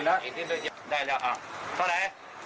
ได้แล้วอ่าเท่าไหร่